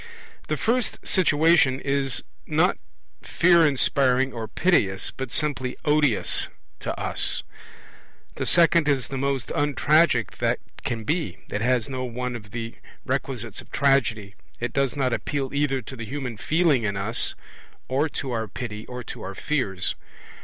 The first situation is not fear inspiring or piteous, but simply odious to us. The second is the most untragic that can be; it has no one of the requisites of Tragedy; it does not appeal either to the human feeling in us, or to our pity, or to our fears.